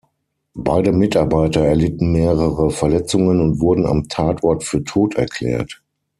Beide Mitarbeiter erlitten mehrere Verletzungen und wurden am Tatort für tot erklärt.